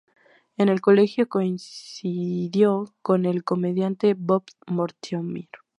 En el colegio coincidió con el comediante Bob Mortimer.